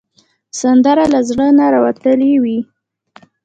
سندره له زړه نه راوتلې وي